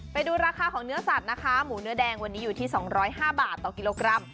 ไปดูราคาของเนื้อสัตว์นะคะหมูเนื้อแดงวันนี้อยู่ที่๒๐๕บาทต่อกิโลกรัม